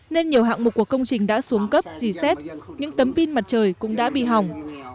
nên nhiều hạng mục của công trình đã xuống cấp dì xét những tấm pin mặt trời cũng đã bị hỏng